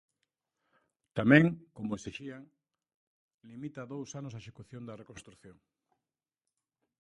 Tamén, como exixían, limita a dous anos a execución da reconstrución.